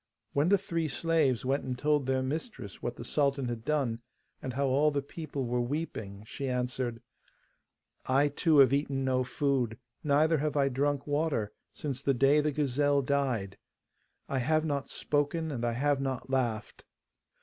When the three slaves went and told their mistress what the sultan had done, and how all the people were weeping, she answered: 'I too have eaten no food, neither have I drunk water, since the day the gazelle died. I have not spoken, and I have not laughed.